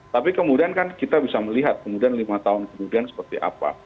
tapi kemudian kan kita bisa melihat kemudian lima tahun kemudian seperti apa